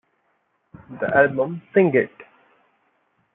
The album Sing It!